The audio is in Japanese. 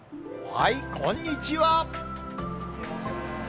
はい、こんにちは。